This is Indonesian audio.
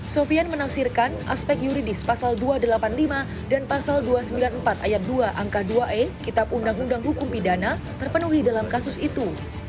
sofian menaksirkan aspek yuridis pasal dua ratus delapan puluh lima dan pasal dua ratus sembilan puluh empat ayat dua angka dua e kitab undang undang hukum pidana terpenuhi dalam kasus itu